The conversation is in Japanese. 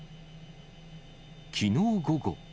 きのう午後。